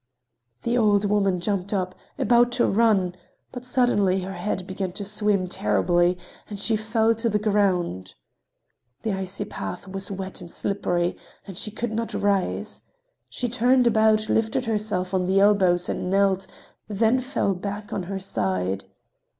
The old woman jumped up, about to run, but suddenly her head began to swim terribly and she fell to the ground. The icy path was wet and slippery, and she could not rise. She turned about, lifted herself on her elbows and knelt, then fell back on her side.